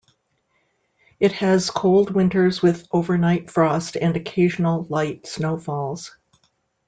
It has cold winters with overnight frost and occasional light snow falls.